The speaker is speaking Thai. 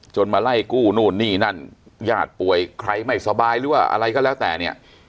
มาไล่กู้นู่นนี่นั่นญาติป่วยใครไม่สบายหรือว่าอะไรก็แล้วแต่เนี่ย